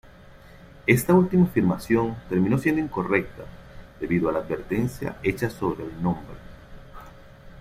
Esta última afirmación terminó siendo incorrecta debido a la advertencia hecha sobre el nombre.